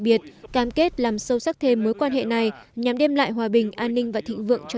biệt cam kết làm sâu sắc thêm mối quan hệ này nhằm đem lại hòa bình an ninh và thịnh vượng cho